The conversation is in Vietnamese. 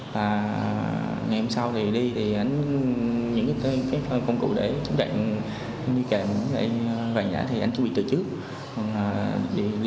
và ngày hôm sau thì đi thì anh những cái công cụ để chống dạng như kèm vàng giả thì anh chuẩn bị từ trước